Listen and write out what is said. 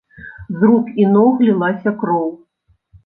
З рук і ног лілася кроў.